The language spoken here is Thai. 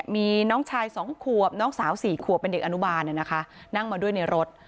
มีน้องชาย๒ขวบน้องสาว๔ขวบเป็นเด็กอนุบาลนั่งมาด้วยในรถ